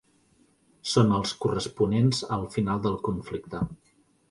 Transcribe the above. Són els corresponents al final del conflicte.